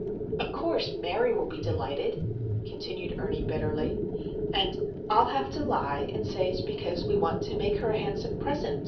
"Of course, Mary will be delighted," continued Ernie, bitterly; "and I'll have to lie, and say it is because we want to make her a handsome present.